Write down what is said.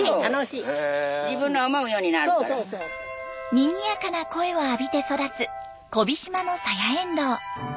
にぎやかな声を浴びて育つ小飛島のサヤエンドウ。